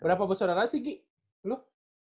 berapa besok darahnya sih gi lu